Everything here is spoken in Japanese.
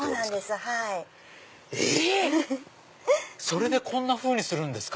⁉それでこんなふうにするんですか。